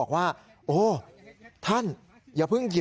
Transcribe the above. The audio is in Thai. พระขู่คนที่เข้าไปคุยกับพระรูปนี้